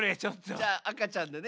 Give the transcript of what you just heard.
じゃああかちゃんだね